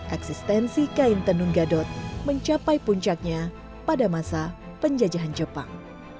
eksistensi kain tenun gadot mencapai puncaknya pada masa penjajahan jepang